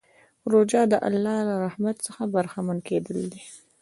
روژه د الله له رحمت څخه برخمن کېدل دي.